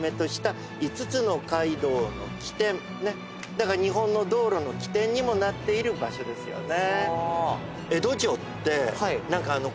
だから日本の道路の起点にもなっている場所ですよね。